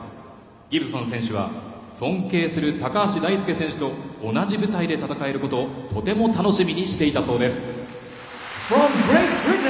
ギブソン選手は尊敬する高橋大輔選手と同じ舞台で戦えることをとても楽しみにしていたそうです。